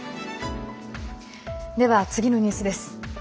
では、次のニュースです。